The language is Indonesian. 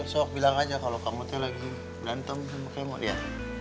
soalnya bilang aja kalau kamu lagi berantem sama kemod ya